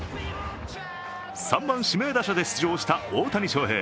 ３番・指名打者で出場した大谷翔平。